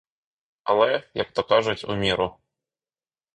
Але, як-то кажуть, у міру.